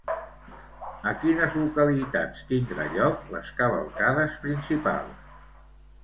A quines localitats tindran lloc les cavalcades principals?